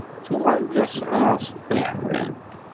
Tuɣal d asɣar si ṭṭiɛfan.